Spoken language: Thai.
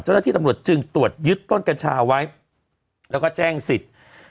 เจ้าหน้าที่ตำรวจจึงตรวจยึดต้นกัญชาไว้แล้วก็แจ้งสิทธิ์